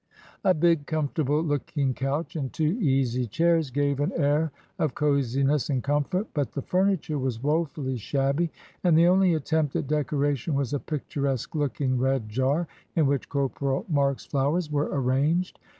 A big, comfortable looking couch and two easy chairs gave an air of cosiness and comfort, but the furniture was woefully shabby, and the only attempt at decoration was a picturesque looking red jar, in which Corporal Marks' flowers were arranged.